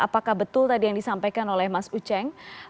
apakah betul tadi yang disampaikan oleh mas uceng